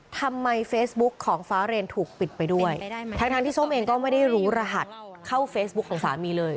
เฟซบุ๊กของฟ้าเรนถูกปิดไปด้วยทั้งทั้งที่ส้มเองก็ไม่ได้รู้รหัสเข้าเฟซบุ๊คของสามีเลย